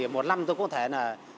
một năm tôi có thể là